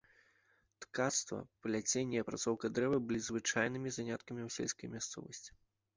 Ткацтва, пляценне і апрацоўка дрэва былі звычайнымі заняткамі ў сельскай мясцовасці.